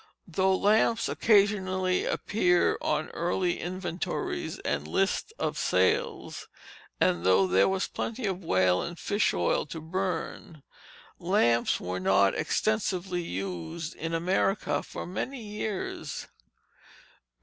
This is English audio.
Though lamps occasionally appear on early inventories and lists of sales, and though there was plenty of whale and fish oil to burn, lamps were not extensively used in America for many years.